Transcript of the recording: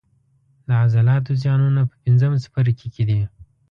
د عضلاتو زیانونه په پنځم څپرکي کې دي.